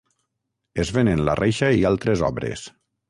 Es venen la reixa i altres obres.